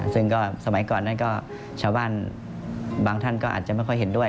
ซึ่งก็สมัยก่อนนั้นก็ชาวบ้านบางท่านก็อาจจะไม่ค่อยเห็นด้วย